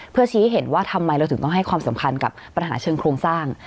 เพื่อชี้ให้เห็นว่าทำไมเราถึงต้องให้ความสำคัญกับปัญหาเชิงโครงสร้าง